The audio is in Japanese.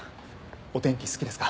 お天気好きですか？